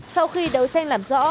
sau khi đấu tranh làm rõ